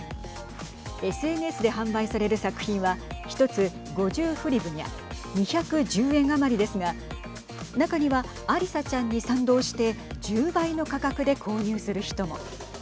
ＳＮＳで販売される作品は１つ５０フリブニャ２１０円余りですが中にはアリサちゃんに賛同して１０倍の価格で購入する人も。